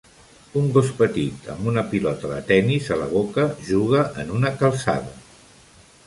Un gos petit amb una pilota de tennis a la boca juga en una calçada.